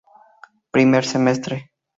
Primer Semestre